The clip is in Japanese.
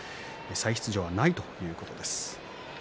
再出場はないということです。